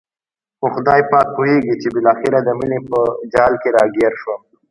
خو خدای پاک پوهېږي چې بالاخره د مینې په جال کې را ګیر شوم.